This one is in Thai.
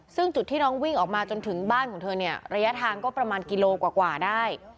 ซึ่งจุดที่น้องวิ่งออกมาจนถึงบ้านของเธอเนี่ยระยะทางก็ประมาณกิโลกว่าได้